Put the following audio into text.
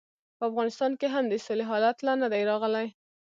په افغانستان کې هم د سولې حالت لا نه دی راغلی.